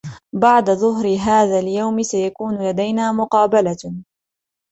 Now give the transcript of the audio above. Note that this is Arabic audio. بعد ظُهر هذا اليوم سيكون لدينا مقابلة.